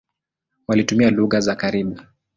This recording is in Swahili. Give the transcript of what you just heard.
Walitumia lugha za karibu.